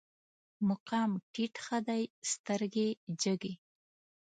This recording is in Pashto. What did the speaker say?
مقام ټيټ ښه دی، سترګې جګې